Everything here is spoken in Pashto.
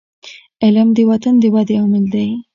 علم د وطن د ودي عامل دی.